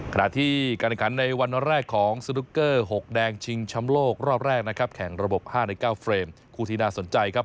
ขณะที่การแข่งขันในวันแรกของสนุกเกอร์๖แดงชิงช้ำโลกรอบแรกนะครับแข่งระบบ๕ใน๙เฟรมคู่ที่น่าสนใจครับ